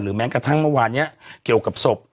แม้กระทั่งเมื่อวานนี้เกี่ยวกับศพ